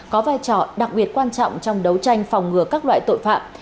có vai trò đặc biệt quan trọng trong đấu tranh phòng ngừa các loại tội phạm